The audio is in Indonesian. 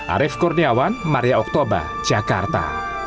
arief kurniawan maria oktober jakarta